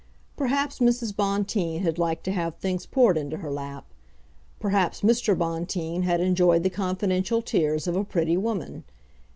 Perhaps Mrs. Bonteen had liked to have things poured into her lap. Perhaps Mr. Bonteen had enjoyed the confidential tears of a pretty woman.